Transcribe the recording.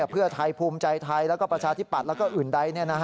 เพื่อไทยภูมิใจไทยแล้วก็ประชาธิปัตย์แล้วก็อื่นใด